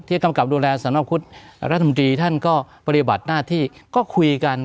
กำกับดูแลสนคุฎรัฐมนตรีท่านก็ปฏิบัติหน้าที่ก็คุยกัน